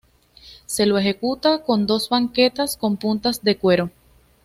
Se lo ejecuta con dos baquetas con puntas de cuero.